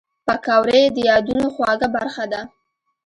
پکورې د یادونو خواږه برخه ده